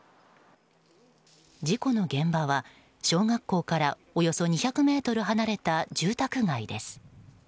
事故の現場は小学校からおよそ２００ｍ離れた住宅街です。